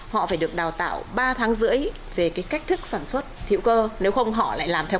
họ phải được đào tạo ba tháng rưỡi về cái cách thức sản xuất hữu cơ nếu không họ lại làm theo